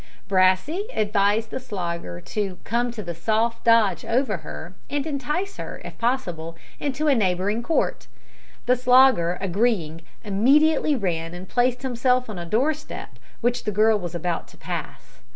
Brassey advised the Slogger "to come the soft dodge over her," and entice her, if possible, into a neighbouring court. The Slogger, agreeing, immediately ran and placed himself on a doorstep which the girl was about to pass.